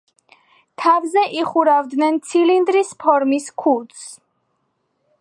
თავზე იხურავდნენ ცილინდრის ფორმის ქუდს.